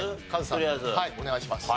はいお願いします。